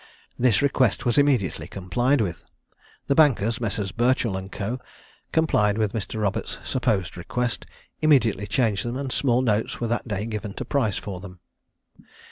This request was immediately complied with. The bankers, Messrs. Burchall and Co., complied with Mr. Roberts' supposed request, immediately changed them, and small notes were that day given to Price for them.